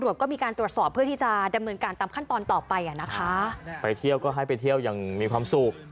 วันสุดท้ายแล้วน่ะ